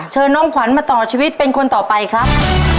เชิญน้องขวัญมาต่อชีวิตเป็นคนต่อไปครับ